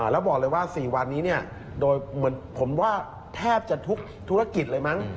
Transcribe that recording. แล้วบอกเลยว่า๔วันนี้โดยเหมือนผมว่าแทบจะทุกธุรกิจเลยมั้ง